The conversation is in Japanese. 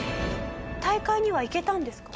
大会には行けたんですか？